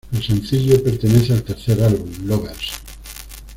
El sencillo pertenece al tercer álbum "Lovers".